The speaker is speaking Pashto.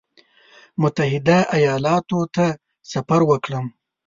متحده ایالاتو ته سفر وکړم.